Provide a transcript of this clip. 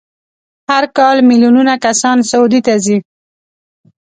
هر کال میلیونونه کسان سعودي ته ځي.